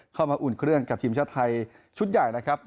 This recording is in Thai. อุ่นเครื่องกับทีมชาติไทยชุดใหญ่นะครับ